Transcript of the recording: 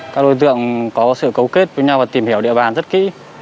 các đối tượng có sự cấu kết với nhau và tìm hiểu địa bàn rất kỹ